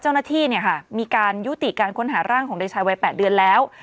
เจ้าหน้าที่มีการยุติการค้นหาร่างของเด็กชายวัย๘เดือนแล้ว